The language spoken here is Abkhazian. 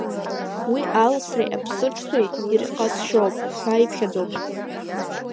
Уи аласреи аԥсыҽреи ирҟазшьоуп ҳәа иԥхьаӡоуп.